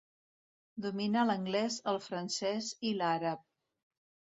Domina l'anglès, el francès i l'àrab.